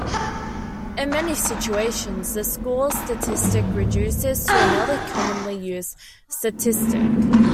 In many situations, the score statistic reduces to another commonly used statistic.